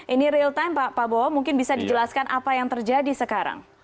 ini real time pak prabowo mungkin bisa dijelaskan apa yang terjadi sekarang